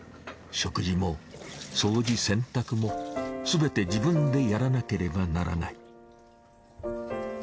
食事も掃除洗濯もすべて自分でやらなければならない。